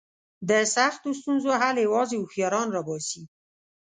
د سختو ستونزو حل یوازې هوښیاران را باسي.